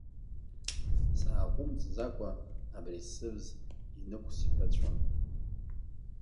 Сааҟәымҵӡакәа, абри сыбз инықәсҳәацәон.